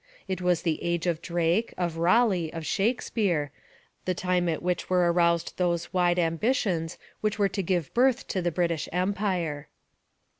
It was the age of Drake, of Raleigh, of Shakespeare, the time at which were aroused those wide ambitions which were to give birth to the British Empire.